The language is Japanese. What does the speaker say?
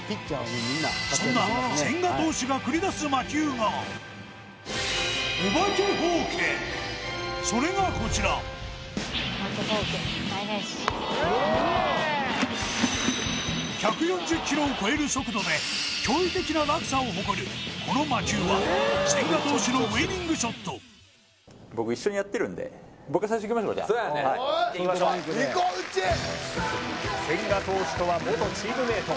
そんな千賀投手が繰り出す魔球がそれがこちら１４０キロを超える速度で驚異的な落差を誇るこの魔球は千賀投手のウイニングショットそやねはい千賀投手とは元チームメイト